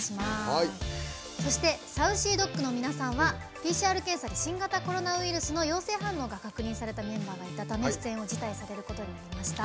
そしてＳａｕｃｙＤｏｇの皆さんはＰＣＲ検査で新型コロナウイルスの陽性反応が確認されたメンバーがいたため出演を辞退されることになりました。